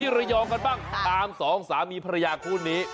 ระยองกันบ้างตามสองสามีภรรยาคู่นี้